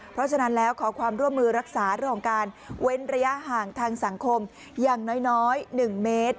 เพราะฉะนั้นแล้วขอความร่วมมือรักษาเรื่องของการเว้นระยะห่างทางสังคมอย่างน้อย๑เมตร